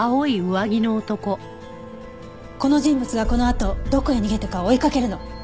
この人物がこのあとどこへ逃げたか追いかけるの。